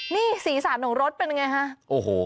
นี่สีสารของรสเป็นอย่างไรฮะ